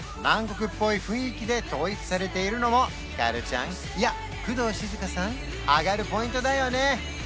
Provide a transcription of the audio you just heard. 南国っぽい雰囲気で統一されているのもひかるちゃんいや工藤静香さん上がるポイントだよね？